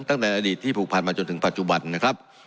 ตั้งแต่อดีตที่ผูกพันมาจนถึงปัจจุบันนะครับ